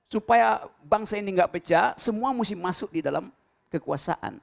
supaya bangsa ini enggak pecah semua mesti masuk di dalam kekuasaan